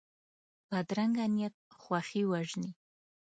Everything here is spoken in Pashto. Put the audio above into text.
بدرنګه نیت خوښي وژني